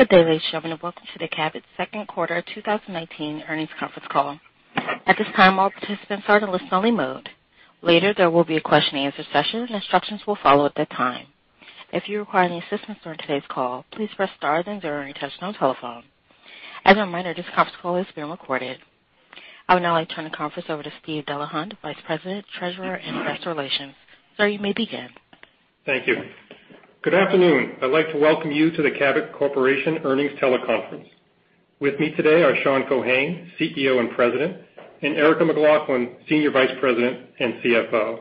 Good day, ladies and gentlemen, welcome to the Cabot second quarter 2019 earnings conference call. At this time, all participants are in listen only mode. Later, there will be a question and answer session, and instructions will follow at that time. If you require any assistance during today's call, please press star then zero on your touchtone telephone. As a reminder, this conference call is being recorded. I would now like to turn the conference over to Steve Delahunt, Vice President, Treasurer, and Investor Relations. Sir, you may begin. Thank you. Good afternoon. I'd like to welcome you to the Cabot Corporation Earnings Teleconference. With me today are Sean Keohane, CEO and President, and Erica McLaughlin, Senior Vice President and CFO.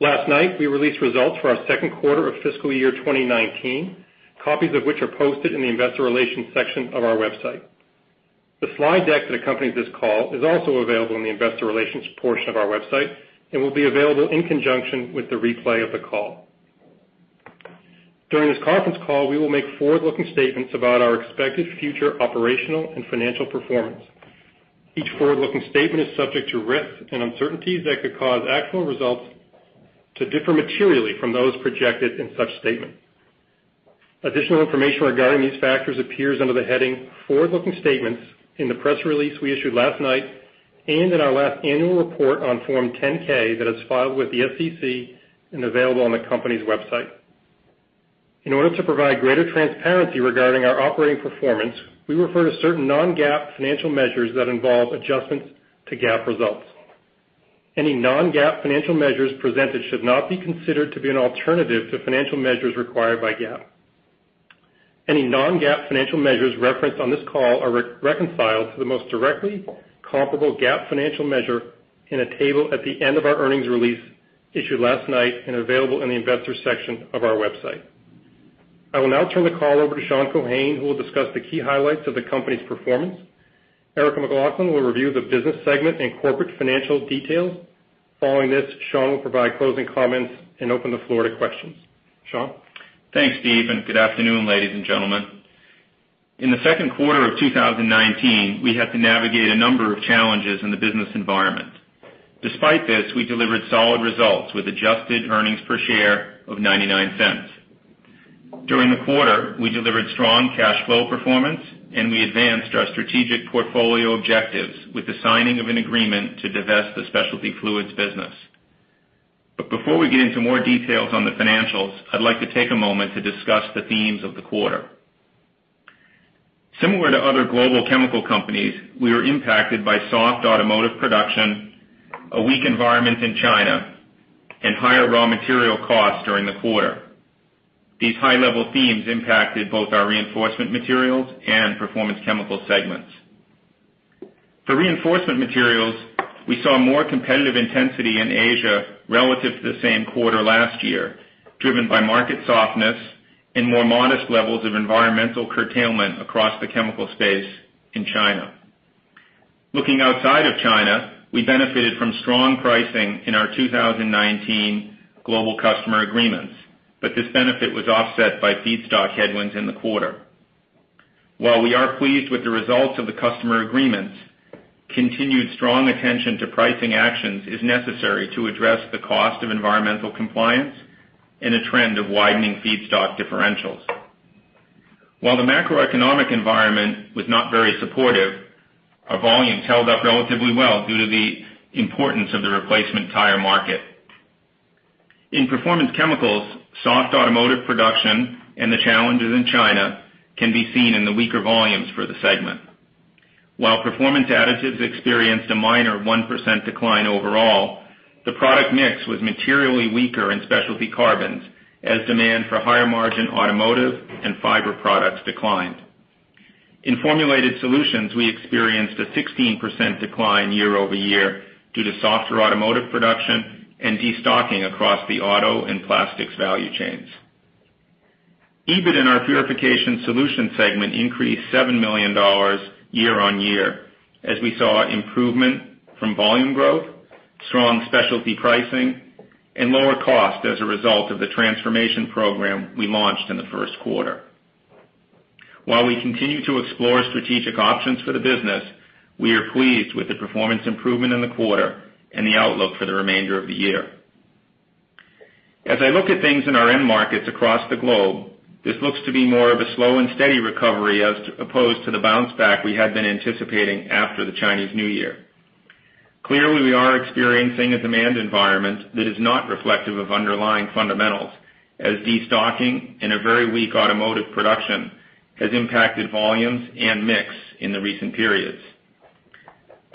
Last night, we released results for our second quarter of fiscal year 2019, copies of which are posted in the investor relations section of our website. The slide deck that accompanies this call is also available in the investor relations portion of our website and will be available in conjunction with the replay of the call. During this conference call, we will make forward-looking statements about our expected future operational and financial performance. Each forward-looking statement is subject to risks and uncertainties that could cause actual results to differ materially from those projected in such statement. Additional information regarding these factors appears under the heading Forward-Looking Statements in the press release we issued last night and in our last annual report on Form 10-K that is filed with the SEC and available on the company's website. In order to provide greater transparency regarding our operating performance, we refer to certain non-GAAP financial measures that involve adjustments to GAAP results. Any non-GAAP financial measures presented should not be considered to be an alternative to financial measures required by GAAP. Any non-GAAP financial measures referenced on this call are reconciled to the most directly comparable GAAP financial measure in a table at the end of our earnings release issued last night and available in the investor section of our website. I will now turn the call over to Sean Keohane, who will discuss the key highlights of the company's performance. Erica McLaughlin will review the business segment and corporate financial details. Following this, Sean will provide closing comments and open the floor to questions. Sean? Thanks, Steve, and good afternoon, ladies and gentlemen. In the second quarter of 2019, we had to navigate a number of challenges in the business environment. Despite this, we delivered solid results with adjusted earnings per share of $0.99. During the quarter, we delivered strong cash flow performance, and we advanced our strategic portfolio objectives with the signing of an agreement to divest the Specialty Fluids business. Before we get into more details on the financials, I'd like to take a moment to discuss the themes of the quarter. Similar to other global chemical companies, we were impacted by soft automotive production, a weak environment in China, and higher raw material costs during the quarter. These high-level themes impacted both our Reinforcement Materials and Performance Chemicals segments. For Reinforcement Materials, we saw more competitive intensity in Asia relative to the same quarter last year, driven by market softness and more modest levels of environmental curtailment across the chemical space in China. Looking outside of China, we benefited from strong pricing in our 2019 global customer agreements, but this benefit was offset by feedstock headwinds in the quarter. While we are pleased with the results of the customer agreements, continued strong attention to pricing actions is necessary to address the cost of environmental compliance and a trend of widening feedstock differentials. While the macroeconomic environment was not very supportive, our volumes held up relatively well due to the importance of the replacement tire market. In Performance Chemicals, soft automotive production and the challenges in China can be seen in the weaker volumes for the segment. While Performance Additives experienced a minor 1% decline overall, the product mix was materially weaker in Specialty Carbons as demand for higher margin automotive and fiber products declined. In Formulated Solutions, we experienced a 16% decline year-over-year due to softer automotive production and destocking across the auto and plastics value chains. EBIT in our Purification Solutions segment increased $7 million year-on-year as we saw improvement from volume growth, strong specialty pricing, and lower cost as a result of the transformation program we launched in the first quarter. While we continue to explore strategic options for the business, we are pleased with the performance improvement in the quarter and the outlook for the remainder of the year. As I look at things in our end markets across the globe, this looks to be more of a slow and steady recovery as opposed to the bounce back we had been anticipating after the Chinese New Year. Clearly, we are experiencing a demand environment that is not reflective of underlying fundamentals, as destocking and a very weak automotive production has impacted volumes and mix in the recent periods.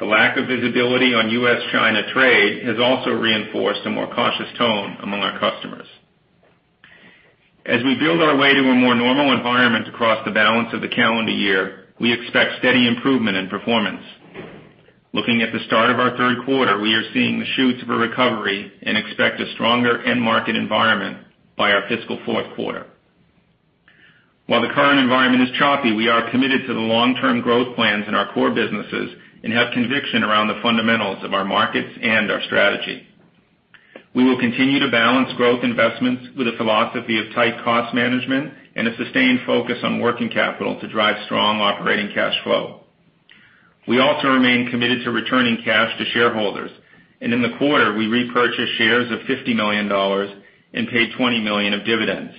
The lack of visibility on U.S.-China trade has also reinforced a more cautious tone among our customers. As we build our way to a more normal environment across the balance of the calendar year, we expect steady improvement in performance. Looking at the start of our third quarter, we are seeing the shoots of a recovery and expect a stronger end market environment by our fiscal fourth quarter. While the current environment is choppy, we are committed to the long-term growth plans in our core businesses and have conviction around the fundamentals of our markets and our strategy. We will continue to balance growth investments with a philosophy of tight cost management and a sustained focus on working capital to drive strong operating cash flow. We also remain committed to returning cash to shareholders. In the quarter, we repurchased shares of $50 million and paid $20 million of dividends.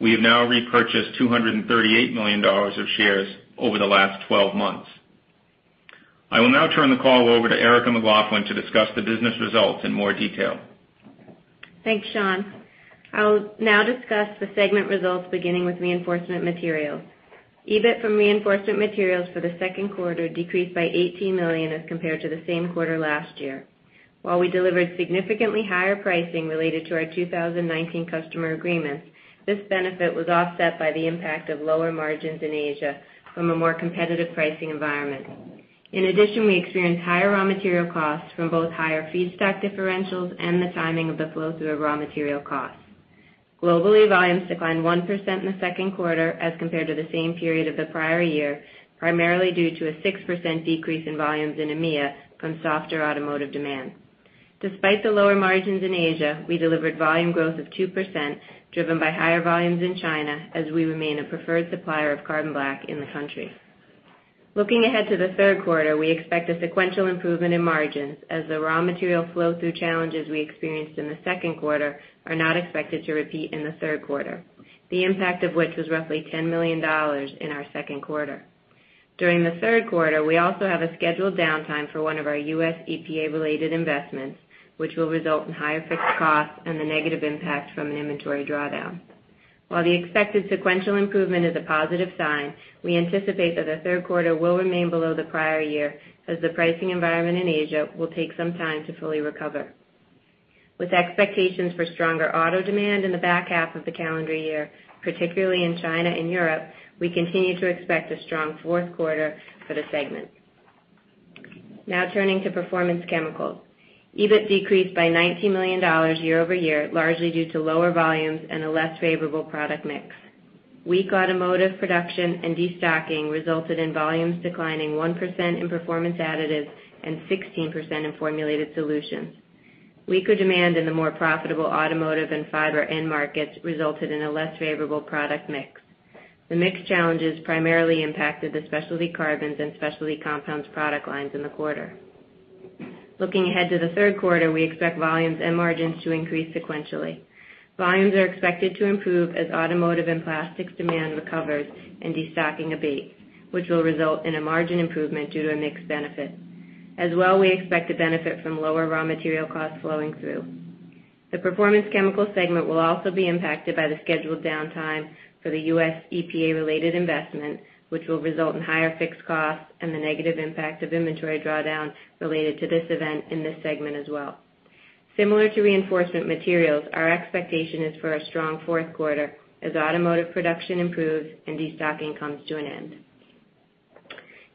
We have now repurchased $238 million of shares over the last 12 months. I will now turn the call over to Erica McLaughlin to discuss the business results in more detail. Thanks, Sean. I will now discuss the segment results, beginning with Reinforcement Materials. EBIT from Reinforcement Materials for the second quarter decreased by $18 million as compared to the same quarter last year. While we delivered significantly higher pricing related to our 2019 customer agreements, this benefit was offset by the impact of lower margins in Asia from a more competitive pricing environment. In addition, we experienced higher raw material costs from both higher feedstock differentials and the timing of the flow-through of raw material costs. Globally, volumes declined 1% in the second quarter as compared to the same period of the prior year, primarily due to a 6% decrease in volumes in EMEA from softer automotive demand. Despite the lower margins in Asia, we delivered volume growth of 2%, driven by higher volumes in China as we remain a preferred supplier of carbon black in the country. Looking ahead to the third quarter, we expect a sequential improvement in margins as the raw material flow-through challenges we experienced in the second quarter are not expected to repeat in the third quarter, the impact of which was roughly $10 million in our second quarter. During the third quarter, we also have a scheduled downtime for one of our U.S. EPA-related investments, which will result in higher fixed costs and the negative impact from an inventory drawdown. While the expected sequential improvement is a positive sign, we anticipate that the third quarter will remain below the prior year, as the pricing environment in Asia will take some time to fully recover. With expectations for stronger auto demand in the back half of the calendar year, particularly in China and Europe, we continue to expect a strong fourth quarter for the segment. Now turning to Performance Chemicals. EBIT decreased by $19 million year-over-year, largely due to lower volumes and a less favorable product mix. Weak automotive production and destocking resulted in volumes declining 1% in Performance Additives and 16% in Formulated Solutions. Weaker demand in the more profitable automotive and fiber end markets resulted in a less favorable product mix. The mix challenges primarily impacted the Specialty Carbons and Specialty Compounds product lines in the quarter. Looking ahead to the third quarter, we expect volumes and margins to increase sequentially. Volumes are expected to improve as automotive and plastics demand recovers and destocking abates, which will result in a margin improvement due to a mix benefit. As well, we expect to benefit from lower raw material costs flowing through. The Performance Chemicals segment will also be impacted by the scheduled downtime for the U.S. EPA-related investment, which will result in higher fixed costs and the negative impact of inventory drawdowns related to this event in this segment as well. Similar to Reinforcement Materials, our expectation is for a strong fourth quarter as automotive production improves and destocking comes to an end.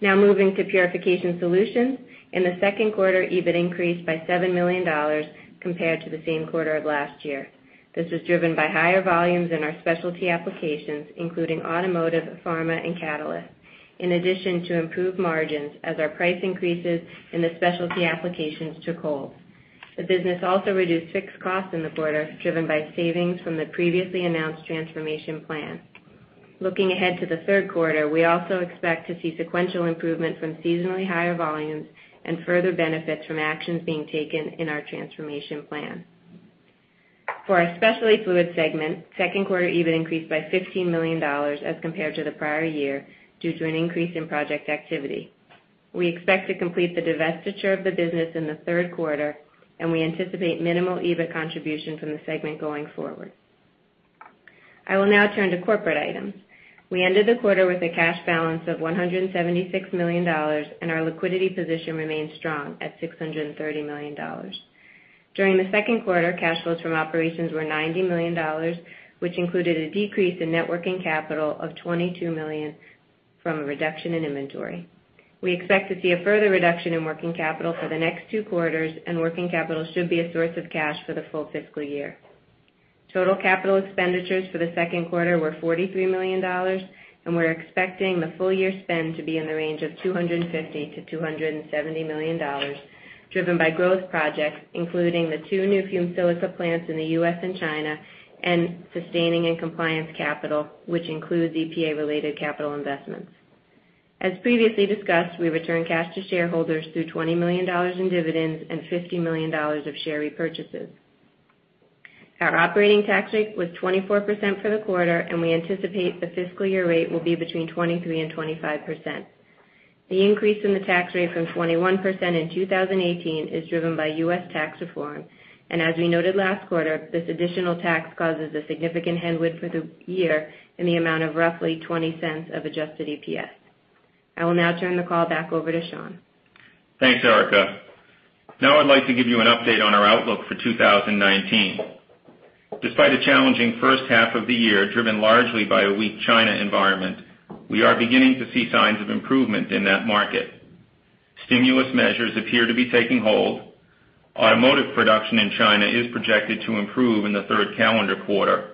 Moving to Purification Solutions. In the second quarter, EBIT increased by $7 million compared to the same quarter of last year. This was driven by higher volumes in our specialty applications, including automotive, pharma, and catalyst. In addition to improved margins as our price increases in the specialty applications took hold. The business also reduced fixed costs in the quarter, driven by savings from the previously announced transformation plan. Looking ahead to the third quarter, we also expect to see sequential improvement from seasonally higher volumes and further benefits from actions being taken in our transformation plan. For our Specialty Fluids segment, second quarter EBIT increased by $15 million as compared to the prior year due to an increase in project activity. We expect to complete the divestiture of the business in the third quarter, and we anticipate minimal EBIT contribution from the segment going forward. I will now turn to corporate items. We ended the quarter with a cash balance of $176 million, and our liquidity position remains strong at $630 million. During the second quarter, cash flows from operations were $90 million, which included a decrease in net working capital of $22 million from a reduction in inventory. We expect to see a further reduction in working capital for the next two quarters, and working capital should be a source of cash for the full fiscal year. Total capital expenditures for the second quarter were $43 million, and we're expecting the full year spend to be in the range of $250 million-$270 million, driven by growth projects, including the two new fumed silica plants in the U.S. and China, and sustaining and compliance capital, which includes EPA-related capital investments. As previously discussed, we returned cash to shareholders through $20 million in dividends and $50 million of share repurchases. Our operating tax rate was 24% for the quarter, and we anticipate the fiscal year rate will be between 23%-25%. The increase in the tax rate from 21% in 2018 is driven by U.S. tax reform. As we noted last quarter, this additional tax causes a significant headwind for the year in the amount of roughly $0.20 of adjusted EPS. I will now turn the call back over to Sean. Thanks, Erica. I'd like to give you an update on our outlook for 2019. Despite a challenging first half of the year, driven largely by a weak China environment, we are beginning to see signs of improvement in that market. Stimulus measures appear to be taking hold. Automotive production in China is projected to improve in the third calendar quarter.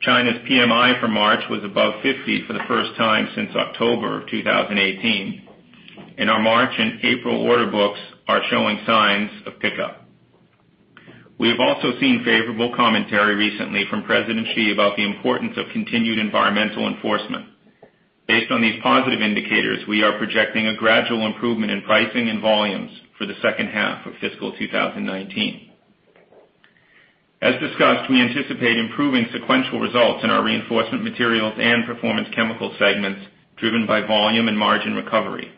China's PMI for March was above 50 for the first time since October of 2018. Our March and April order books are showing signs of pickup. We have also seen favorable commentary recently from Xi Jinping about the importance of continued environmental enforcement. Based on these positive indicators, we are projecting a gradual improvement in pricing and volumes for the second half of fiscal 2019. As discussed, we anticipate improving sequential results in our Reinforcement Materials and Performance Chemicals segments driven by volume and margin recovery.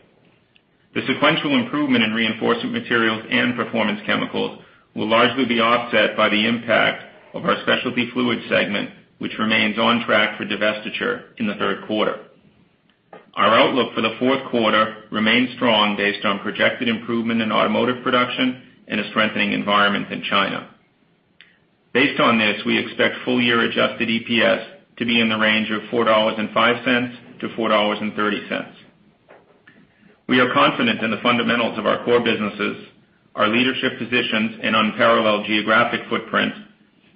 The sequential improvement in Reinforcement Materials and Performance Chemicals will largely be offset by the impact of our Specialty Fluids segment, which remains on track for divestiture in the third quarter. Our outlook for the fourth quarter remains strong based on projected improvement in automotive production and a strengthening environment in China. Based on this, we expect full-year adjusted EPS to be in the range of $4.05-$4.30. We are confident in the fundamentals of our core businesses, our leadership positions, and unparalleled geographic footprint,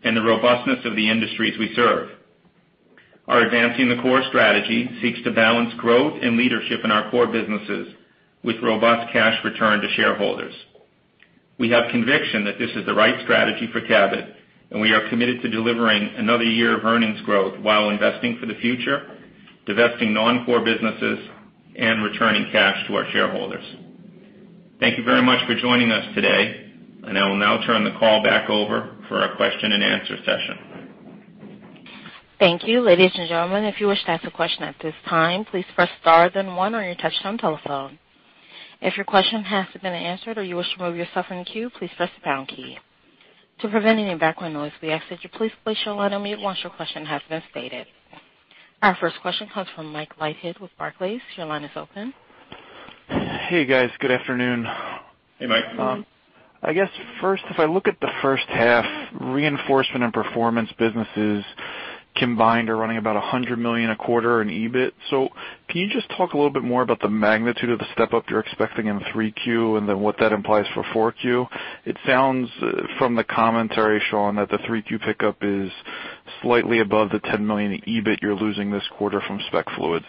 and the robustness of the industries we serve. Our Advancing the Core strategy seeks to balance growth and leadership in our core businesses with robust cash return to shareholders. We have conviction that this is the right strategy for Cabot. We are committed to delivering another year of earnings growth while investing for the future, divesting non-core businesses, and returning cash to our shareholders. Thank you very much for joining us today. I will now turn the call back over for our question and answer session. Thank you. Ladies and gentlemen, if you wish to ask a question at this time, please press star then one on your touch-tone telephone. If your question has been answered or you wish to remove yourself from the queue, please press the pound key. To prevent any background noise, we ask that you please place your line on mute once your question has been stated. Our first question comes from Mike Leithead with Barclays. Your line is open. Hey, guys. Good afternoon. Hey, Mike. I guess first, if I look at the first half, Reinforcement Materials and Performance Chemicals combined are running about $100 million a quarter in EBIT. Can you just talk a little bit more about the magnitude of the step-up you're expecting in 3Q and then what that implies for 4Q? It sounds from the commentary, Sean, that the 3Q pickup is slightly above the $10 million EBIT you're losing this quarter from Specialty Fluids.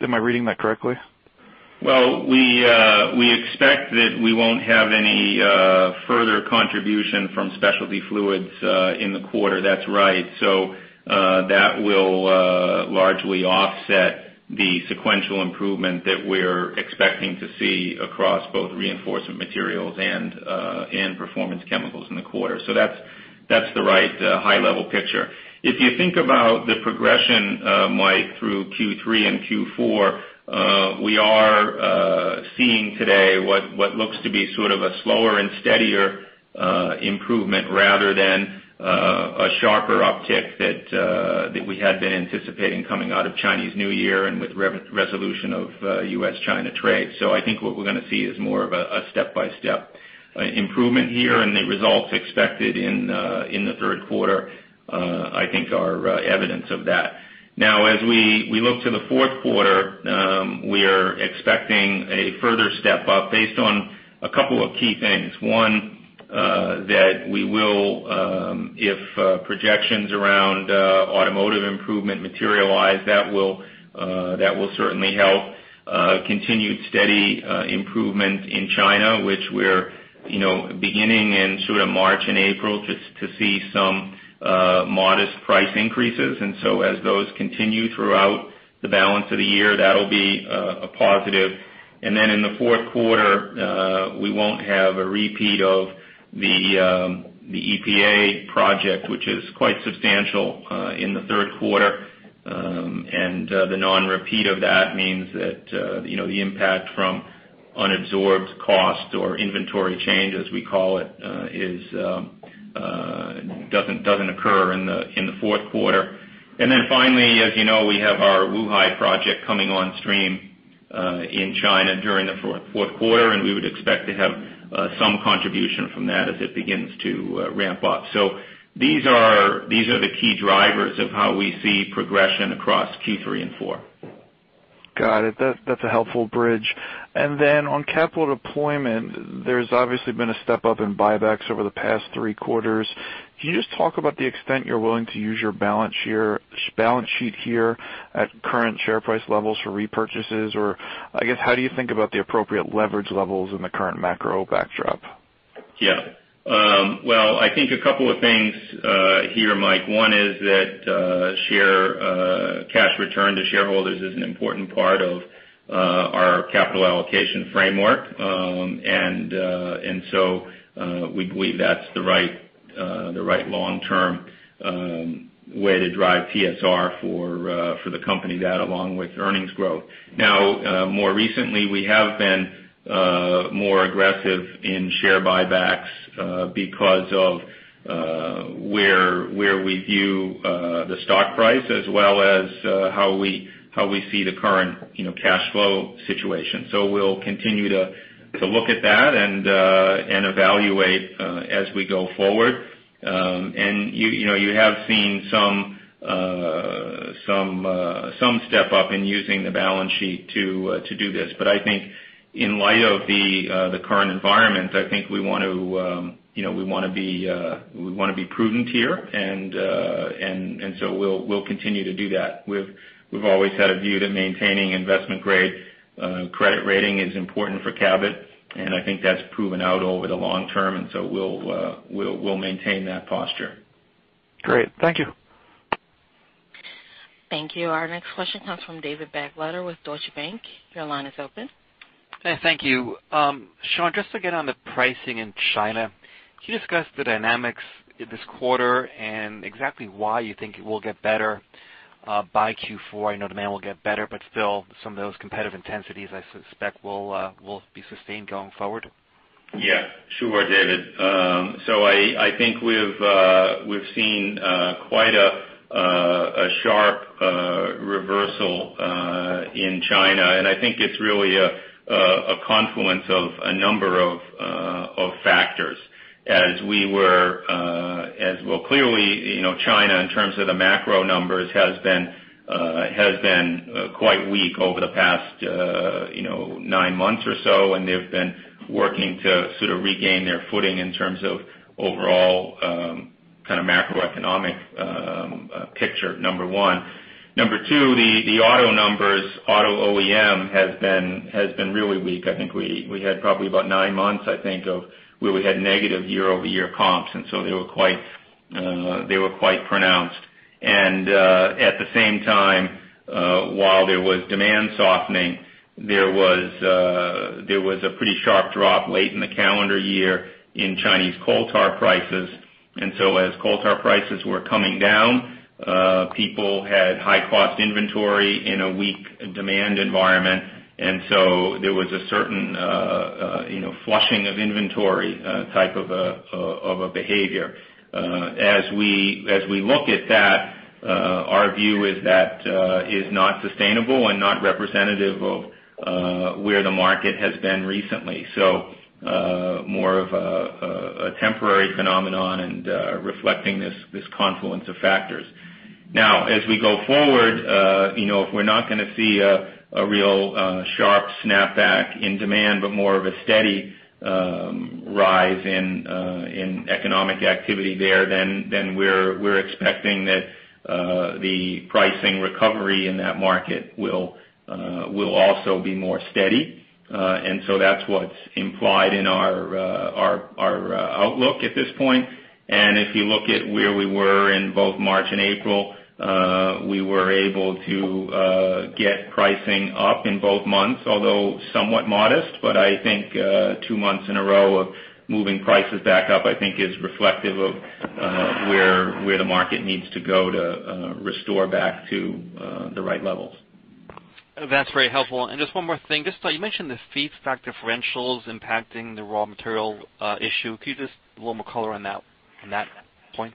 Am I reading that correctly? Well, we expect that we won't have any further contribution from Specialty Fluids in the quarter. That's right. That will largely offset the sequential improvement that we're expecting to see across both Reinforcement Materials and Performance Chemicals in the quarter. That's the right high-level picture. If you think about the progression, Mike, through Q3 and Q4, we are seeing today what looks to be sort of a slower and steadier improvement rather than a sharper uptick that we had been anticipating coming out of Chinese New Year and with resolution of U.S.-China trade. I think what we're going to see is more of a step-by-step improvement here, and the results expected in the third quarter I think are evidence of that. As we look to the fourth quarter, we are expecting a further step-up based on a couple of key things. One, that we will, if projections around automotive improvement materialize, that will certainly help continued steady improvement in China, which we're beginning in sort of March and April to see some modest price increases. As those continue throughout the balance of the year, that'll be a positive. In the fourth quarter, we won't have a repeat of the EPA project, which is quite substantial in the third quarter. The non-repeat of that means that the impact from unabsorbed cost or inventory change, as we call it, doesn't occur in the fourth quarter. Finally, as you know, we have our Wuhan project coming on stream in China during the fourth quarter, and we would expect to have some contribution from that as it begins to ramp up. These are the key drivers of how we see progression across Q3 and 4. Got it. That's a helpful bridge. On capital deployment, there's obviously been a step-up in buybacks over the past three quarters. Can you just talk about the extent you're willing to use your balance sheet here at current share price levels for repurchases? Or I guess, how do you think about the appropriate leverage levels in the current macro backdrop? I think a couple of things here, Mike. One is that share cash return to shareholders is an important part of our capital allocation framework. We believe that's the right long-term way to drive TSR for the company, that along with earnings growth. Now, more recently, we have been more aggressive in share buybacks because of where we view the stock price as well as how we see the current cash flow situation. We'll continue to look at that and evaluate as we go forward. You have seen some step-up in using the balance sheet to do this. I think in light of the current environment, I think we want to be prudent here. We'll continue to do that. We've always had a view to maintaining investment grade. Credit rating is important for Cabot. I think that's proven out over the long term. We'll maintain that posture. Great. Thank you. Thank you. Our next question comes from David Begleiter with Deutsche Bank. Your line is open. Hey, thank you. Sean, just again on the pricing in China, can you discuss the dynamics this quarter and exactly why you think it will get better by Q4? I know demand will get better, but still some of those competitive intensities, I suspect, will be sustained going forward. Yeah. Sure, David. I think we've seen quite a sharp reversal in China, and I think it's really a confluence of a number of factors. Clearly, China, in terms of the macro numbers, has been quite weak over the past nine months or so, and they've been working to sort of regain their footing in terms of overall kind of macroeconomic picture, number one. Number two, the auto numbers, auto OEM, has been really weak. I think we had probably about nine months, I think, of where we had negative year-over-year comps, and so they were quite pronounced. At the same time, while there was demand softening, there was a pretty sharp drop late in the calendar year in Chinese coal tar prices. As coal tar prices were coming down, people had high cost inventory in a weak demand environment, and so there was a certain flushing of inventory type of a behavior. As we look at that, our view is that it is not sustainable and not representative of where the market has been recently. More of a temporary phenomenon and reflecting this confluence of factors. Now, as we go forward, if we're not going to see a real sharp snapback in demand, but more of a steady rise in economic activity there, then we're expecting that the pricing recovery in that market will also be more steady. That's what's implied in our outlook at this point. If you look at where we were in both March and April, we were able to get pricing up in both months, although somewhat modest. I think two months in a row of moving prices back up, I think is reflective of where the market needs to go to restore back to the right levels. That's very helpful. Just one more thing. You mentioned the feedstock differentials impacting the raw material issue. Could you just give a little more color on that point?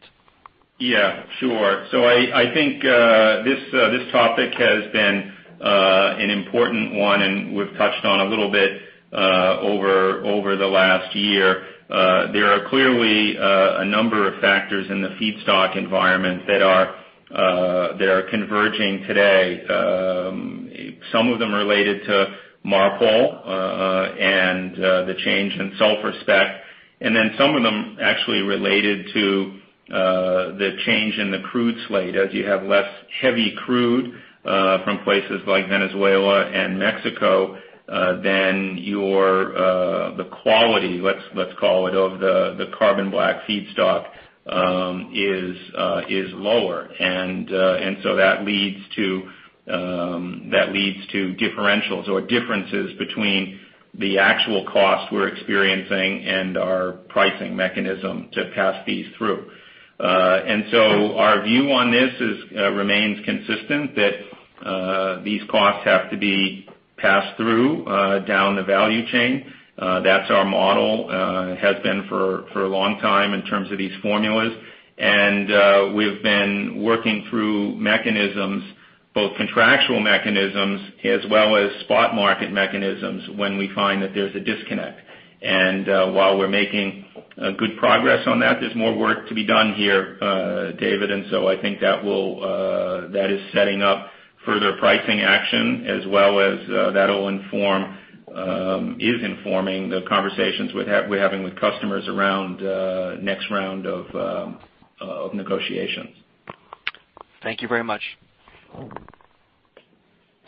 Yeah, sure. I think this topic has been an important one, and we've touched on a little bit over the last year. There are clearly a number of factors in the feedstock environment that are converging today. Some of them related to MARPOL and the change in sulfur spec, and then some of them actually related to the change in the crude slate. As you have less heavy crude from places like Venezuela and Mexico, then the quality, let's call it, of the carbon black feedstock is lower. That leads to differentials or differences between the actual cost we're experiencing and our pricing mechanism to pass these through. Our view on this remains consistent that these costs have to be passed through down the value chain. That's our model. It has been for a long time in terms of these formulas. We've been working through mechanisms, both contractual mechanisms as well as spot market mechanisms, when we find that there's a disconnect. While we're making good progress on that, there's more work to be done here, David. I think that is setting up further pricing action as well as is informing the conversations we're having with customers around next round of negotiations. Thank you very much.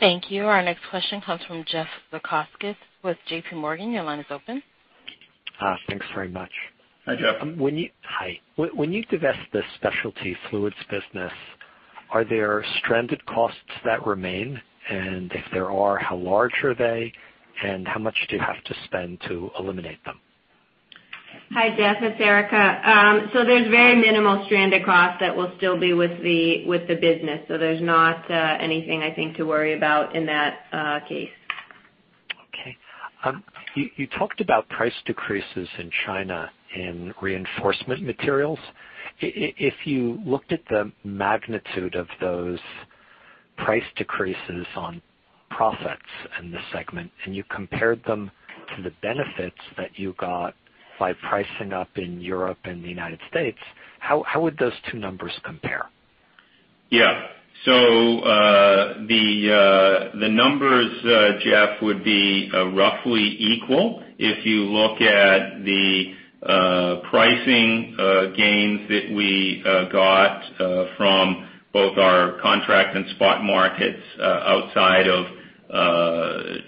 Thank you. Our next question comes from Jeff Zekauskas with JPMorgan. Your line is open. Thanks very much. Hi, Jeff. Hi. When you divest the Specialty Fluids business, are there stranded costs that remain? If there are, how large are they, and how much do you have to spend to eliminate them? Hi, Jeff, it's Erica. There's very minimal stranded cost that will still be with the business. There's not anything, I think, to worry about in that case. Okay. You talked about price decreases in China in Reinforcement Materials. If you looked at the magnitude of those price decreases on profits in the segment, you compared them to the benefits that you got by pricing up in Europe and the United States, how would those two numbers compare? Yeah. The numbers, Jeff, would be roughly equal. If you look at the pricing gains that we got from both our contract and spot markets outside of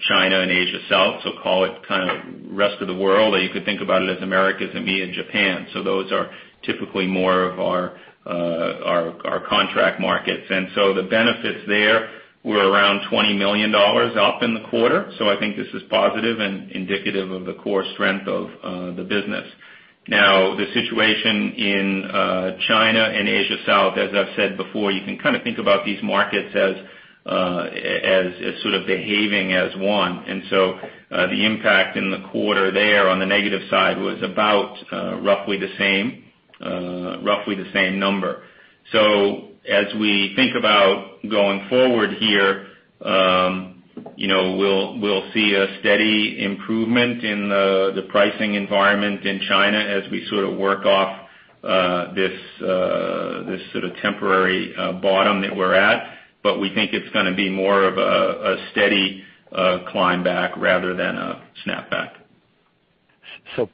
China and Asia South, call it kind of rest of the world, or you could think about it as Americas, ME, and Japan. Those are typically more of our contract markets. The benefits there were around $20 million up in the quarter. I think this is positive and indicative of the core strength of the business. Now, the situation in China and Asia South, as I've said before, you can kind of think about these markets as sort of behaving as one. The impact in the quarter there on the negative side was about roughly the same number. As we think about going forward here, we'll see a steady improvement in the pricing environment in China as we sort of work off this sort of temporary bottom that we're at. We think it's going to be more of a steady climb back rather than a snap back.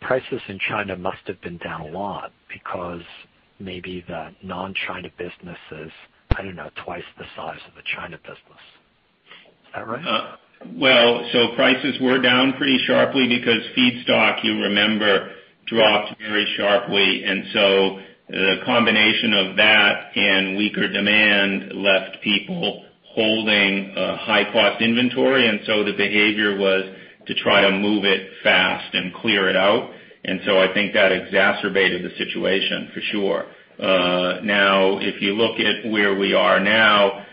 Prices in China must have been down a lot because maybe the non-China business is, I don't know, twice the size of the China business. Is that right? Well, prices were down pretty sharply because feedstock, you remember, dropped very sharply. The combination of that and weaker demand left people holding a high-cost inventory. The behavior was to try to move it fast and clear it out. I think that exacerbated the situation, for sure. Now, if you look at where we are now,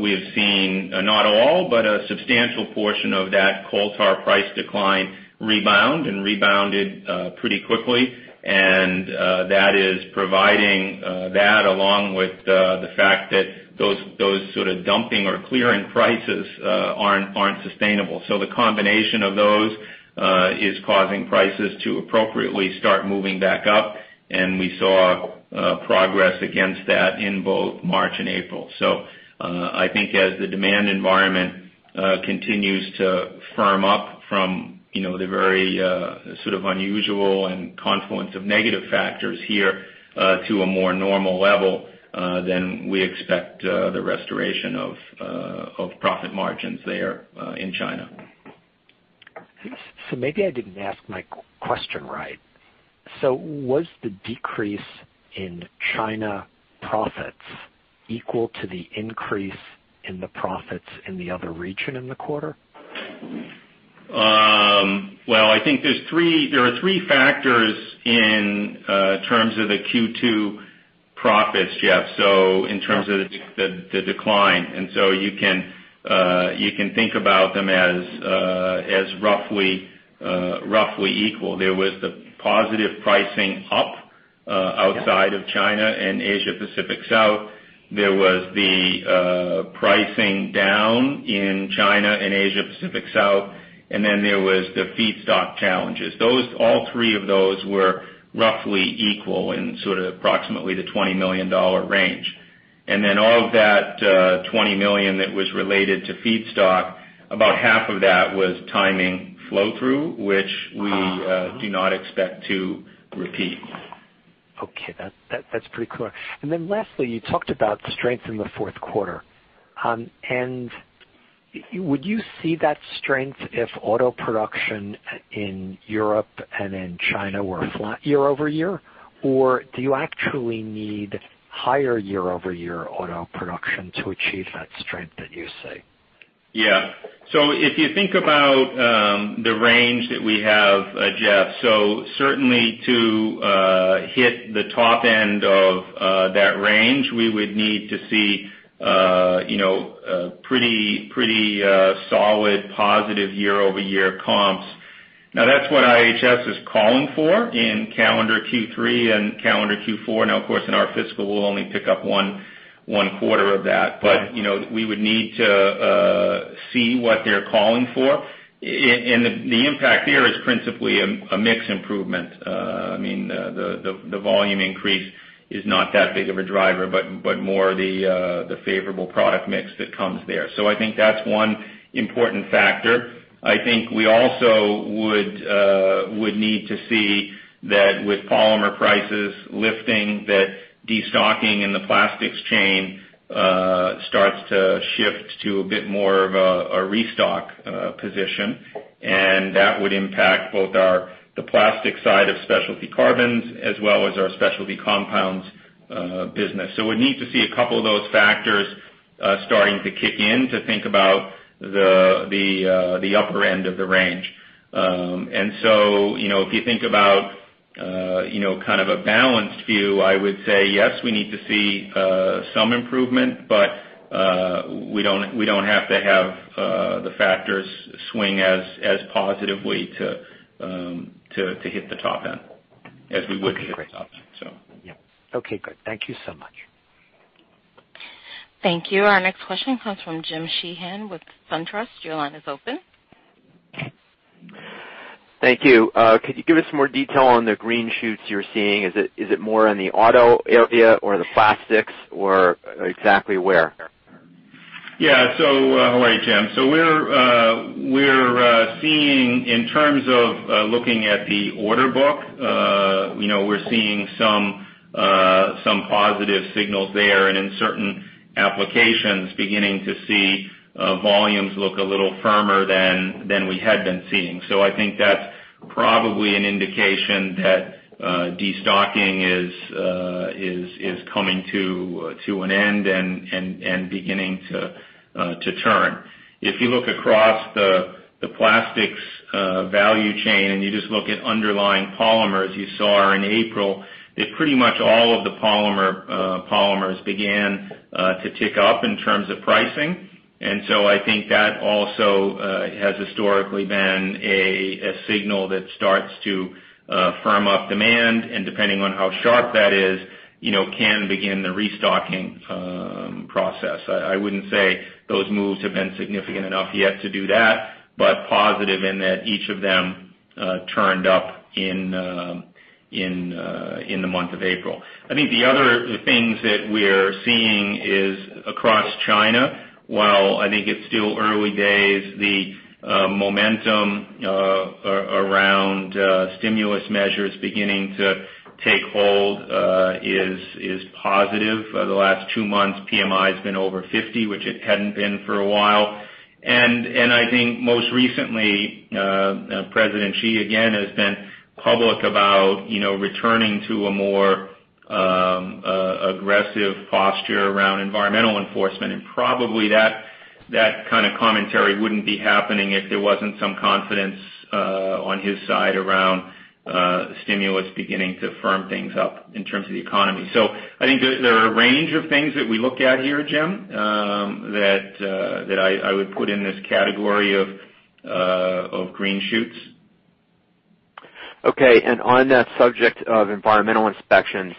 we have seen not all, but a substantial portion of that coal tar price decline rebound, and rebounded pretty quickly. That is providing that along with the fact that those sort of dumping or clearing prices aren't sustainable. The combination of those is causing prices to appropriately start moving back up. We saw progress against that in both March and April. I think as the demand environment continues to firm up from the very sort of unusual and confluence of negative factors here to a more normal level, we expect the restoration of profit margins there in China. Maybe I didn't ask my question right. Was the decrease in China profits equal to the increase in the profits in the other region in the quarter? Well, I think there are three factors in terms of the Q2 profits, Jeff, in terms of the decline. You can think about them as roughly equal. There was the positive pricing up outside of China and Asia Pacific South. There was the pricing down in China and Asia Pacific South. There was the feedstock challenges. All three of those were roughly equal in sort of approximately the $20 million range. All of that $20 million that was related to feedstock, about half of that was timing flow-through, which we do not expect to repeat. Okay. That's pretty clear. Lastly, you talked about strength in the fourth quarter. Would you see that strength if auto production in Europe and in China were flat year-over-year? Or do you actually need higher year-over-year auto production to achieve that strength that you see? Yeah. If you think about the range that we have, Jeff, certainly to hit the top end of that range, we would need to see a pretty solid positive year-over-year comps. That's what IHS is calling for in calendar Q3 and calendar Q4. Of course, in our fiscal, we'll only pick up one quarter of that. We would need to see what they're calling for. The impact there is principally a mix improvement. I mean, the volume increase is not that big of a driver, but more the favorable product mix that comes there. I think that's one important factor. I think we also would need to see that with polymer prices lifting, that destocking in the plastics chain starts to shift to a bit more of a restock position. That would impact both the plastic side of Specialty Carbons as well as our Specialty Compounds business. We need to see a couple of those factors starting to kick in to think about the upper end of the range. If you think about kind of a balanced view, I would say, yes, we need to see some improvement, but we don't have to have the factors swing as positively to hit the top end as we would to hit the top end. Yeah. Okay, good. Thank you so much. Thank you. Our next question comes from Jim Sheehan with SunTrust. Your line is open. Thank you. Could you give us some more detail on the green shoots you're seeing? Is it more in the auto area or the plastics, or exactly where? Yeah. How are you, Jim? In terms of looking at the order book, we're seeing some positive signals there, and in certain applications, beginning to see volumes look a little firmer than we had been seeing. I think that's probably an indication that destocking is coming to an end and beginning to turn. If you look across the plastics value chain, and you just look at underlying polymers you saw are in April, that pretty much all of the polymers began to tick up in terms of pricing. I think that also has historically been a signal that starts to firm up demand and depending on how sharp that is, can begin the restocking process. I wouldn't say those moves have been significant enough yet to do that, but positive in that each of them turned up in the month of April. I think the other things that we're seeing is across China, while I think it's still early days, the momentum around stimulus measures beginning to take hold is positive. The last 2 months, PMI has been over 50, which it hadn't been for a while. I think most recently, Xi Jinping again has been public about returning to a more aggressive posture around environmental enforcement. Probably that kind of commentary wouldn't be happening if there wasn't some confidence on his side around stimulus beginning to firm things up in terms of the economy. I think there are a range of things that we look at here, Jim, that I would put in this category of green shoots. Okay. On that subject of environmental inspections,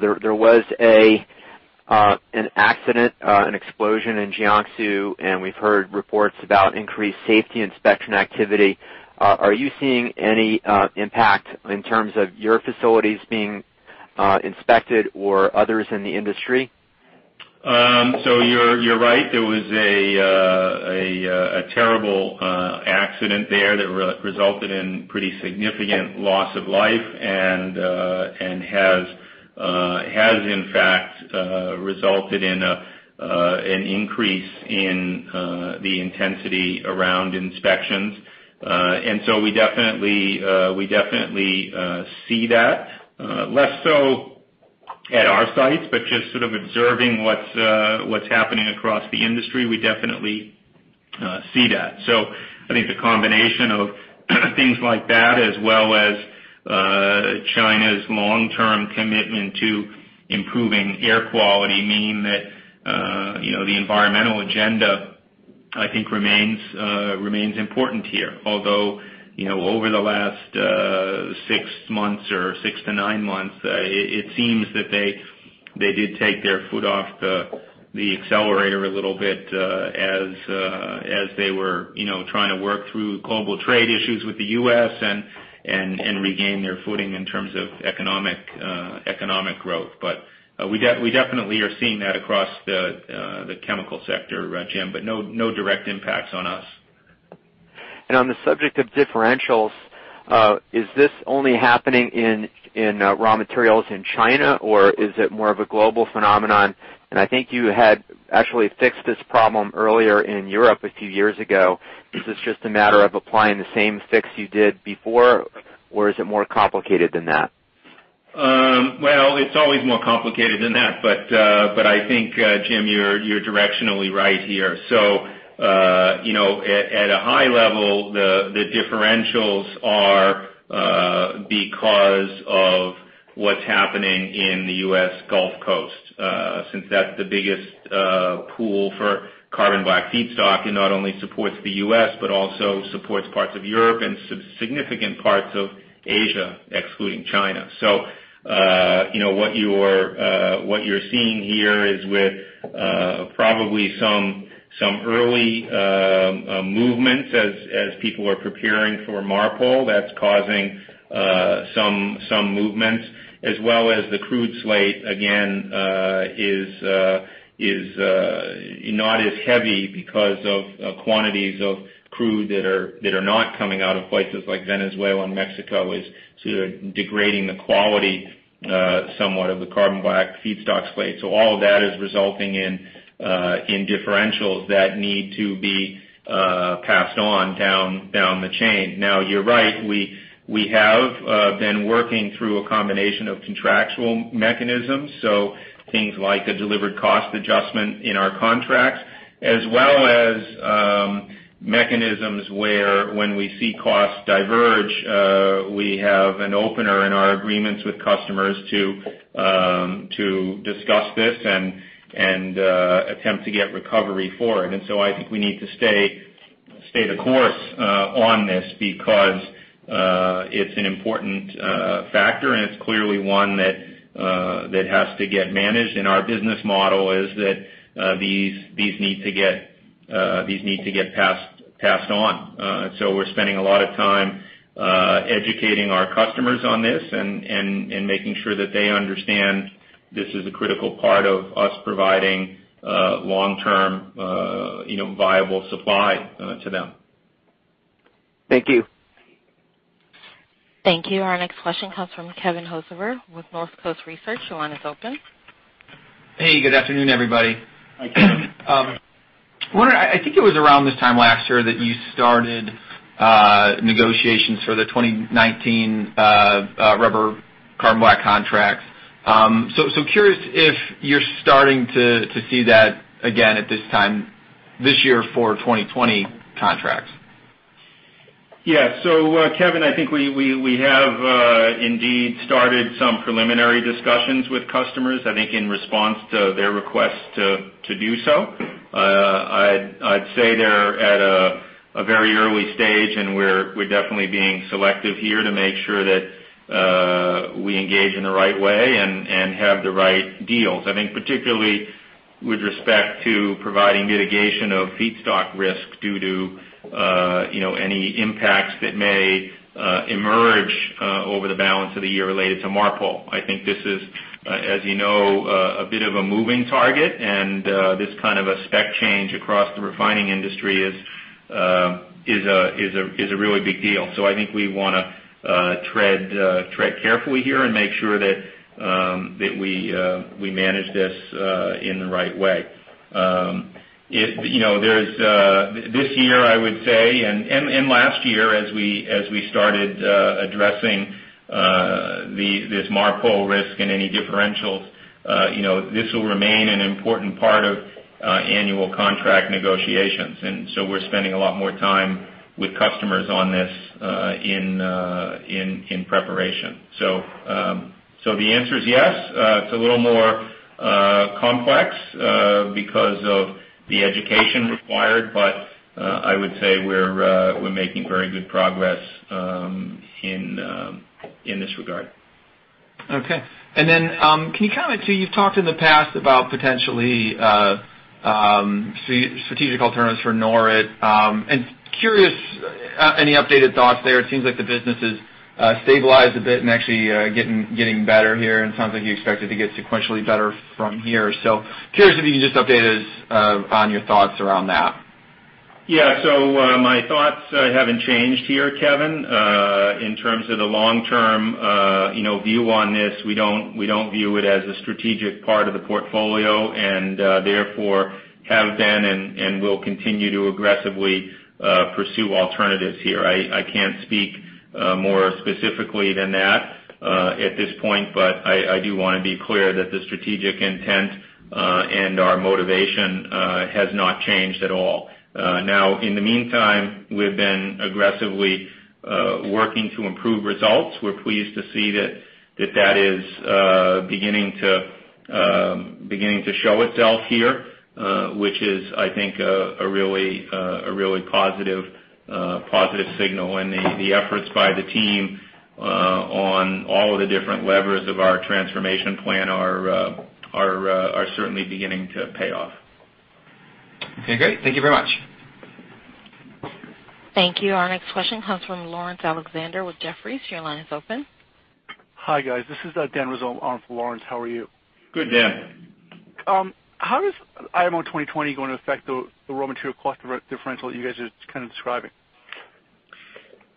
there was an accident, an explosion in Jiangsu, and we've heard reports about increased safety inspection activity. Are you seeing any impact in terms of your facilities being inspected or others in the industry? You're right. There was a terrible accident there that resulted in pretty significant loss of life and has, in fact, resulted in an increase in the intensity around inspections. We definitely see that. Less so at our sites, but just sort of observing what's happening across the industry, we definitely see that. I think the combination of things like that, as well as China's long-term commitment to improving air quality mean that the environmental agenda, I think remains important here. Although, over the last six months or six to nine months, it seems that they did take their foot off the accelerator a little bit, as they were trying to work through global trade issues with the U.S. and regain their footing in terms of economic growth. We definitely are seeing that across the chemical sector, Jim, but no direct impacts on us. On the subject of differentials, is this only happening in raw materials in China, or is it more of a global phenomenon? I think you had actually fixed this problem earlier in Europe a few years ago. Is this just a matter of applying the same fix you did before, or is it more complicated than that? Well, it's always more complicated than that, but I think, Jim, you're directionally right here. At a high level, the differentials are because of what's happening in the U.S. Gulf Coast, since that's the biggest pool for carbon black feedstock. It not only supports the U.S., but also supports parts of Europe and significant parts of Asia, excluding China. What you're seeing here is with probably some early movements as people are preparing for MARPOL, that's causing some movement, as well as the crude slate again is not as heavy because of quantities of crude that are not coming out of places like Venezuela and Mexico is sort of degrading the quality somewhat of the carbon black feedstock slate. All of that is resulting in differentials that need to be passed on down the chain. Now, you're right, we have been working through a combination of contractual mechanisms, so things like a delivered cost adjustment in our contracts, as well as mechanisms where when we see costs diverge, we have an opener in our agreements with customers to discuss this and attempt to get recovery for it. I think we need to stay the course on this because it's an important factor, and it's clearly one that has to get managed, and our business model is that these need to get passed on. We're spending a lot of time educating our customers on this and making sure that they understand. This is a critical part of us providing long-term viable supply to them. Thank you. Thank you. Our next question comes from Kevin Hocevar with Northcoast Research. Your line is open. Hey, good afternoon, everybody. Hi, Kevin. I think it was around this time last year that you started negotiations for the 2019 rubber carbon black contracts. Curious if you're starting to see that again at this time this year for 2020 contracts. Kevin, I think we have indeed started some preliminary discussions with customers, I think, in response to their request to do so. I'd say they're at a very early stage, and we're definitely being selective here to make sure that we engage in the right way and have the right deals. I think particularly with respect to providing mitigation of feedstock risk due to any impacts that may emerge over the balance of the year related to MARPOL. I think this is, as you know, a bit of a moving target, and this kind of a spec change across the refining industry is a really big deal. I think we want to tread carefully here and make sure that we manage this in the right way. This year, I would say, and last year, as we started addressing this MARPOL risk and any differentials, this will remain an important part of annual contract negotiations. We're spending a lot more time with customers on this in preparation. The answer is yes. It's a little more complex because of the education required, but I would say we're making very good progress in this regard. Can you comment, you've talked in the past about potentially strategic alternatives for NORIT. Curious, any updated thoughts there? It seems like the business has stabilized a bit and actually getting better here, and it sounds like you expect it to get sequentially better from here. Curious if you can just update us on your thoughts around that. My thoughts haven't changed here, Kevin. In terms of the long-term view on this, we don't view it as a strategic part of the portfolio, and therefore have been and will continue to aggressively pursue alternatives here. I can't speak more specifically than that at this point, but I do want to be clear that the strategic intent, and our motivation, has not changed at all. Now, in the meantime, we've been aggressively working to improve results. We're pleased to see that that is beginning to show itself here, which is, I think, a really positive signal. The efforts by the team on all of the different levers of our transformation plan are certainly beginning to pay off. Okay, great. Thank you very much. Thank you. Our next question comes from Laurence Alexander with Jefferies. Your line is open. Hi, guys. This is Dan Rizzo on for Laurence. How are you? Good, Dan. How is IMO 2020 going to affect the raw material cost differential that you guys are kind of describing?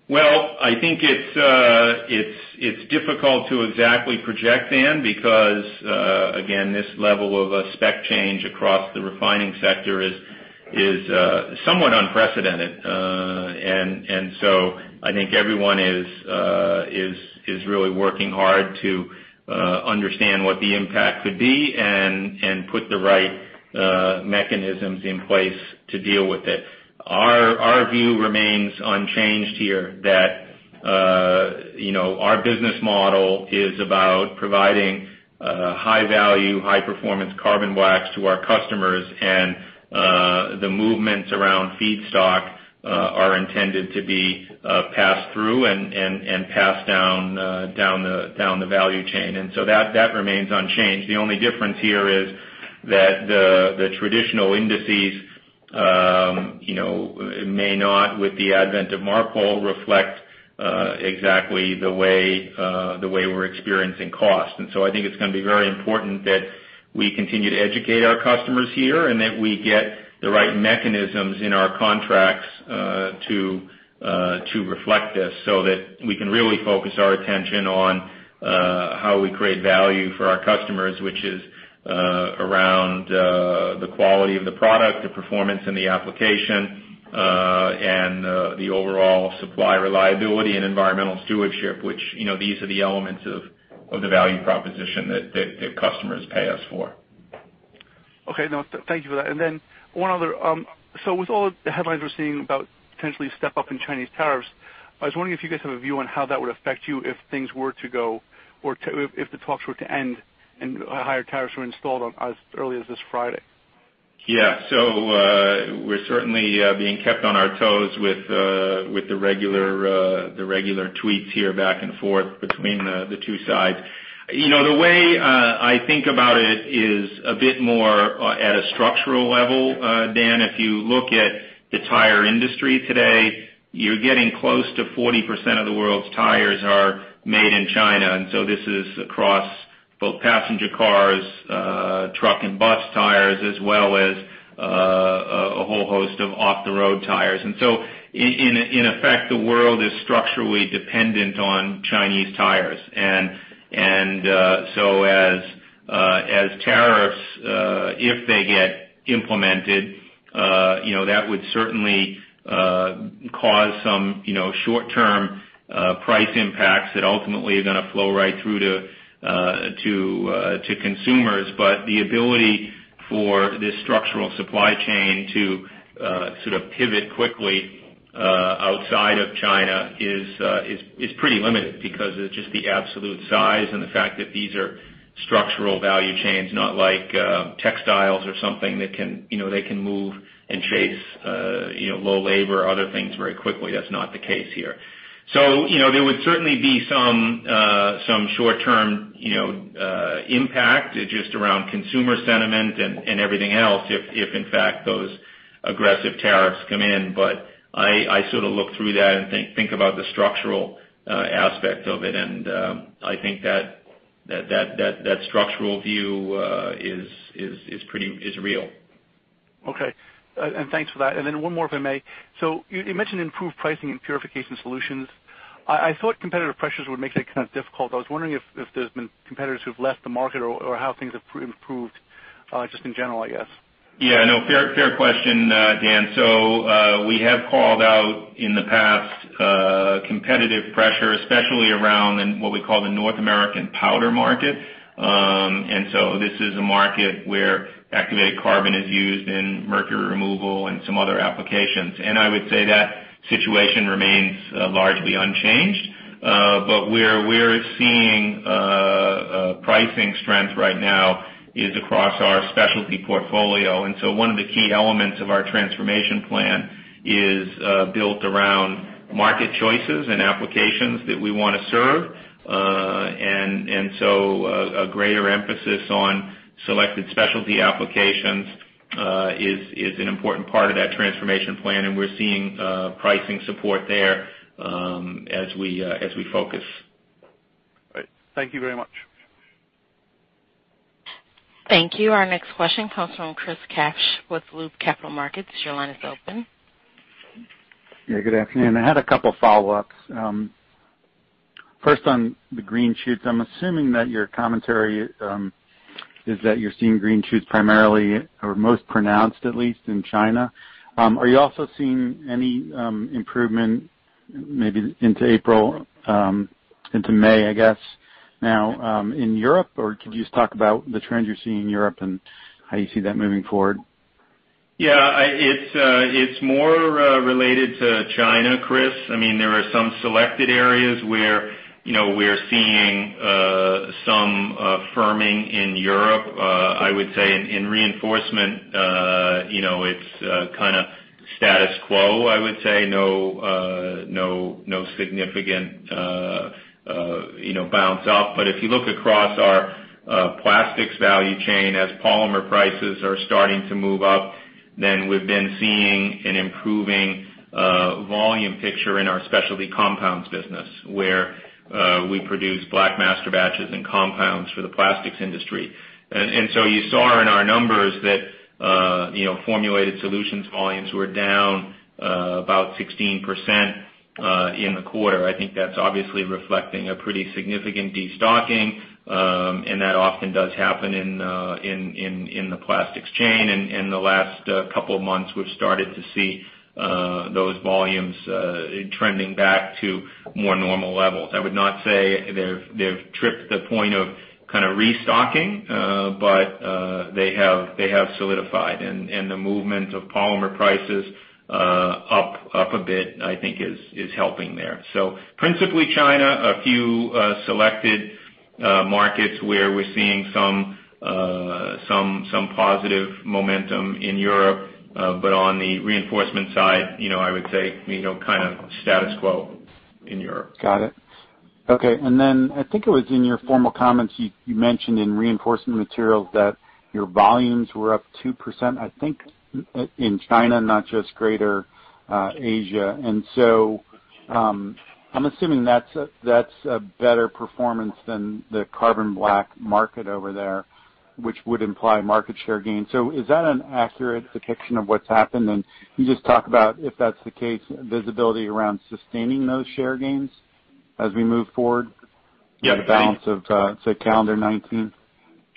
Well, I think it's difficult to exactly project, Dan, because, again, this level of a spec change across the refining sector is somewhat unprecedented. I think everyone is really working hard to understand what the impact could be and put the right mechanisms in place to deal with it. Our view remains unchanged here that our business model is about providing high-value, high-performance carbon black to our customers, and the movements around feedstock are intended to be passed through and passed down the value chain. That remains unchanged. The only difference here is that the traditional indices may not, with the advent of MARPOL, reflect exactly the way we're experiencing cost. I think it's going to be very important that we continue to educate our customers here and that we get the right mechanisms in our contracts to reflect this so that we can really focus our attention on how we create value for our customers, which is around the quality of the product, the performance and the application, and the overall supply reliability and environmental stewardship, which these are the elements of the value proposition that customers pay us for. Okay, thank you for that. One other. With all the headlines we're seeing about potentially a step up in Chinese tariffs, I was wondering if you guys have a view on how that would affect you if things were to go, or if the talks were to end and higher tariffs were installed as early as this Friday. Yeah. We're certainly being kept on our toes with the regular tweets here back and forth between the two sides. The way I think about, a bit more at a structural level, Dan, if you look at the tire industry today, you're getting close to 40% of the world's tires are made in China. This is across both passenger cars, truck and bus tires, as well as a whole host of off-the-road tires. In effect, the world is structurally dependent on Chinese tires. As tariffs, if they get implemented, that would certainly cause some short-term price impacts that ultimately are going to flow right through to consumers. The ability for this structural supply chain to pivot quickly outside of China is pretty limited because of just the absolute size and the fact that these are structural value chains, not like textiles or something that they can move and chase low labor or other things very quickly. That's not the case here. There would certainly be some short-term impact just around consumer sentiment and everything else if in fact those aggressive tariffs come in. I look through that and think about the structural aspect of it, and I think that structural view is real. Okay. Thanks for that. One more, if I may. You mentioned improved pricing in Purification Solutions. I thought competitive pressures would make that kind of difficult. I was wondering if there's been competitors who've left the market or how things have improved, just in general, I guess. Fair question, Dan. We have called out in the past competitive pressure, especially around in what we call the North American powder market. This is a market where activated carbon is used in mercury removal and some other applications. I would say that situation remains largely unchanged. Where we are seeing pricing strength right now is across our specialty portfolio. One of the key elements of our transformation plan is built around market choices and applications that we want to serve. A greater emphasis on selected specialty applications is an important part of that transformation plan, and we are seeing pricing support there as we focus. Great. Thank you very much. Thank you. Our next question comes from Chris Kapsch with Loop Capital Markets. Your line is open. Good afternoon. I had a couple follow-ups. First on the green shoots, I am assuming that your commentary is that you are seeing green shoots primarily or most pronounced at least in China. Are you also seeing any improvement, maybe into April, into May, I guess, now in Europe? Could you just talk about the trends you are seeing in Europe and how you see that moving forward? It's more related to China, Chris. There are some selected areas where we are seeing some firming in Europe. I would say in Reinforcement Materials it's kind of status quo, I would say. No significant bounce up. If you look across our plastics value chain, as polymer prices are starting to move up, we've been seeing an improving volume picture in our Specialty Compounds business, where we produce black masterbatches and compounds for the plastics industry. You saw in our numbers that Formulated Solutions volumes were down about 16% in the quarter. I think that's obviously reflecting a pretty significant destocking. That often does happen in the plastics chain. In the last couple of months, we've started to see those volumes trending back to more normal levels. I would not say they've tripped the point of restocking, but they have solidified. The movement of polymer prices up a bit, I think, is helping there. Principally China, a few selected markets where we're seeing some positive momentum in Europe. On the Reinforcement Materials side, I would say kind of status quo in Europe. Got it. Okay. I think it was in your formal comments, you mentioned in Reinforcement Materials that your volumes were up 2%, I think in China, not just greater Asia. I'm assuming that's a better performance than the carbon black market over there, which would imply market share gains. Is that an accurate depiction of what's happened? Can you just talk about, if that's the case, visibility around sustaining those share gains as we move forward- Yeah. The balance of say calendar 2019?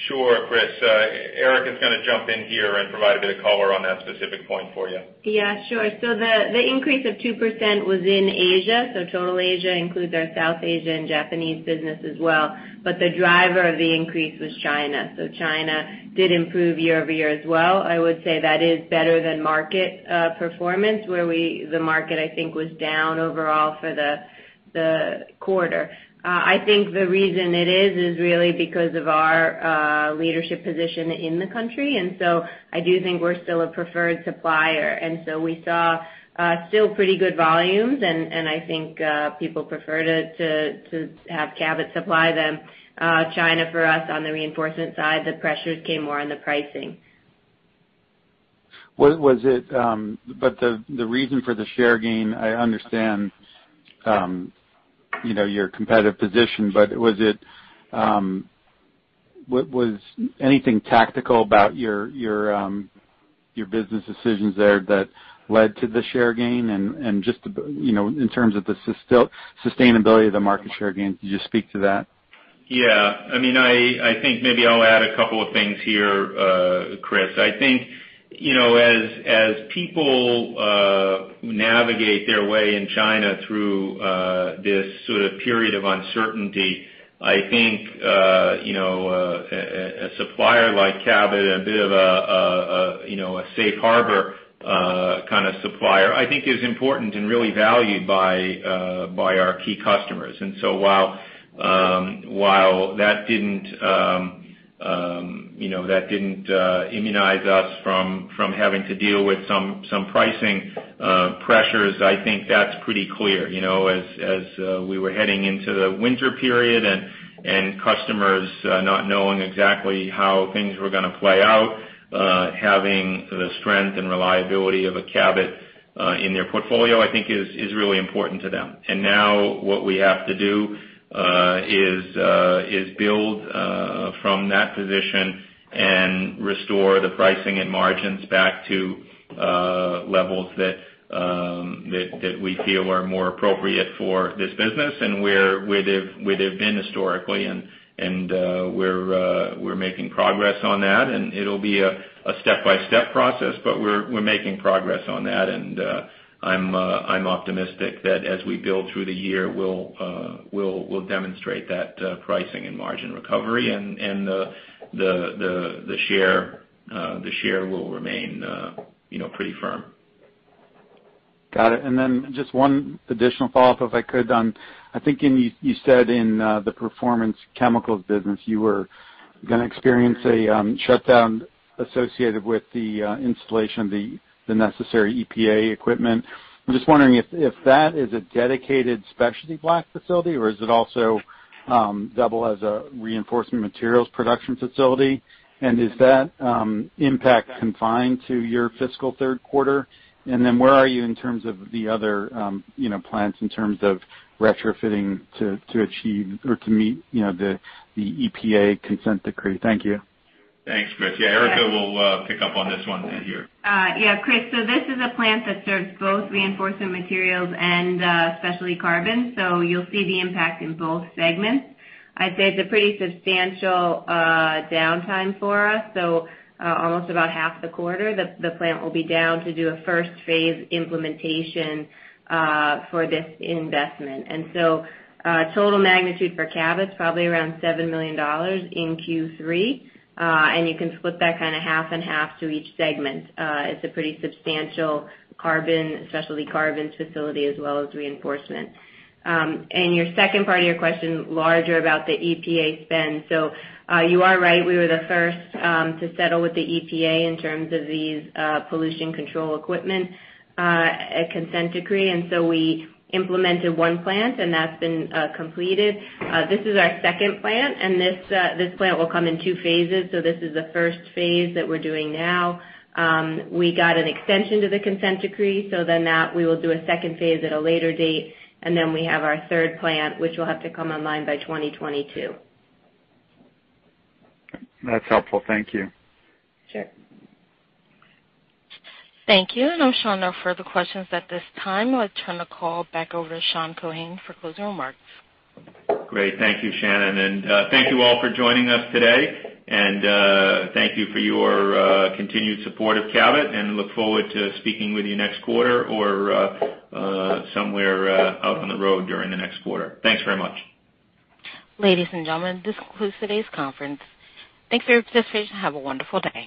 Sure, Chris. Erica's going to jump in here and provide a bit of color on that specific point for you. The increase of 2% was in Asia. Total Asia includes our South Asia and Japanese business as well. The driver of the increase was China. China did improve year-over-year as well. I would say that is better than market performance where the market, I think, was down overall for the quarter. I think the reason it is really because of our leadership position in the country, and so I do think we're still a preferred supplier. We saw still pretty good volumes and I think people prefer to have Cabot supply them. China, for us, on the reinforcement side, the pressures came more on the pricing. The reason for the share gain, I understand your competitive position, but was anything tactical about your business decisions there that led to the share gain? In terms of the sustainability of the market share gains, could you speak to that? Yeah. I think maybe I'll add a couple of things here, Chris. I think, as people navigate their way in China through this sort of period of uncertainty, I think a supplier like Cabot, a bit of a safe harbor kind of supplier, I think is important and really valued by our key customers. While that didn't immunize us from having to deal with some pricing pressures, I think that's pretty clear. As we were heading into the winter period and customers not knowing exactly how things were going to play out, having the strength and reliability of a Cabot in their portfolio, I think is really important to them. Now what we have to do is build from that position and restore the pricing and margins back to levels that we feel are more appropriate for this business and where they've been historically and we're making progress on that. It'll be a step-by-step process, but we're making progress on that. I'm optimistic that as we build through the year, we'll demonstrate that pricing and margin recovery and the share will remain pretty firm. Got it. Then just one additional follow-up, if I could. I think you said in the Performance Chemicals business, you were going to experience a shutdown associated with the installation of the necessary EPA equipment. I'm just wondering if that is a dedicated specialty black facility or does it also double as a Reinforcement Materials production facility? Is that impact confined to your fiscal third quarter? Then where are you in terms of the other plants in terms of retrofitting to achieve or to meet the EPA consent decree? Thank you. Thanks, Chris. Erica will pick up on this one here. Chris, this is a plant that serves both Reinforcement Materials and Specialty Carbons. You'll see the impact in both segments. I'd say it's a pretty substantial downtime for us. Almost about half the quarter, the plant will be down to do a first-phase implementation for this investment. Total magnitude for Cabot is probably around $7 million in Q3. You can split that kind of half and half to each segment. It's a pretty substantial carbon, Specialty Carbons facility as well as Reinforcement. Your second part of your question, larger about the EPA spend. You are right, we were the first to settle with the EPA in terms of these pollution control equipment, a consent decree. We implemented one plant, and that's been completed. This is our second plant, and this plant will come in two phases. This is the first phase that we're doing now. We got an extension to the consent decree, so then that we will do a second phase at a later date. We have our third plant, which will have to come online by 2022. That's helpful. Thank you. Sure. Thank you. I'm showing no further questions at this time. I'll turn the call back over to Sean Keohane for closing remarks. Great. Thank you, Shannon. Thank you all for joining us today. Thank you for your continued support of Cabot and look forward to speaking with you next quarter or somewhere out on the road during the next quarter. Thanks very much. Ladies and gentlemen, this concludes today's conference. Thanks for your participation. Have a wonderful day.